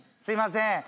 すいません。